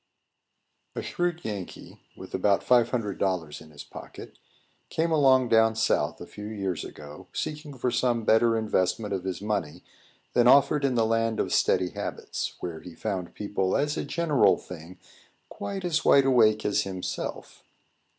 A SHREWD Yankee, with about five hundred dollars in his pocket, came along down South, a few years ago, seeking for some better investment of his money than offered in the land of steady habits, where he found people, as a general thing, quite as wide awake as himself.